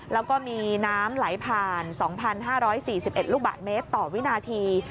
แล้วก็มีน้ำไหลผ่านสองพันห้าร้อยสี่สิบเอ็ดลูกบาทเมตรต่อวินาที